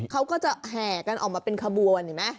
เขาก็จะแห่กันออกมาเป็นขบวนเห็นไหม